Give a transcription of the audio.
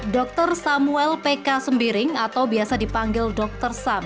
dr samuel pk sembiring atau biasa dipanggil dr sam